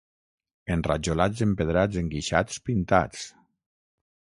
Enrajolats empedrats enguixats pintats...